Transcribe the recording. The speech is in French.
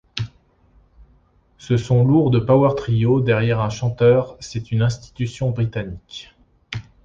Ce son lourd de power trio, derrière un chanteur; c'est une institution britannique.